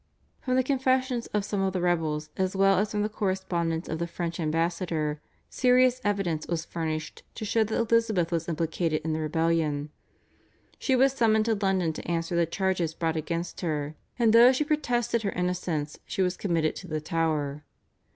From the confessions of some of the rebels as well as from the correspondence of the French ambassador serious evidence was furnished to show that Elizabeth was implicated in the rebellion. She was summoned to London to answer the charges brought against her, and though she protested her innocence she was committed to the Tower.